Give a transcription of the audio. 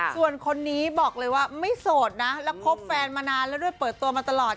ส่วนคนนี้บอกเลยว่าไม่โสดนะแล้วคบแฟนมานานแล้วด้วยเปิดตัวมาตลอด